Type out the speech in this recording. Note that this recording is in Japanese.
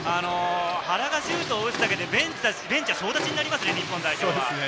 原がシュートを打つだけで、ベンチも総立ちになりますね。